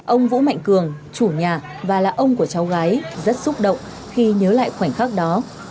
ông vũ mạnh cường chủ nhà và là ông của cháu gái rất xúc động khi nhớ lại khoảnh khắc đó